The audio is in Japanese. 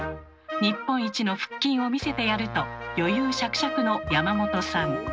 「日本一の腹筋を見せてやる」と余裕しゃくしゃくの山本さん。